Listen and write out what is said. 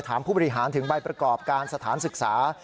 ผู้บริหารถึงใบประกอบการสถานศึกษา